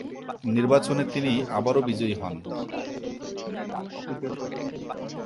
নির্বাচনে তিনি আবারো বিজয়ী হন।